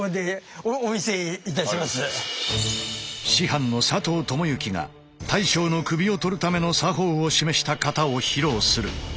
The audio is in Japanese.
師範の佐藤智之が大将の首を取るための作法を示した型を披露する。